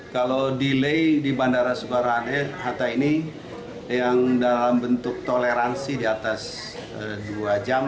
kalau delay di bandara soekarno hatta ini yang dalam bentuk toleransi di atas dua jam